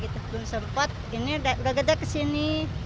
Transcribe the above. tahun sempat ini udah gede kesini